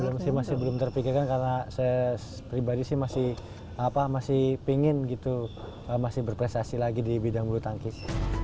belum belum sih masih belum terpikirkan karena saya pribadi sih masih apa masih pingin gitu masih berprestasi lagi di bidang buru tangkis